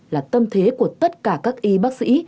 là tâm thế của tất cả các y bác sĩ